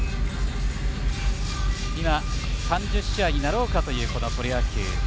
今、３０試合になろうかというプロ野球。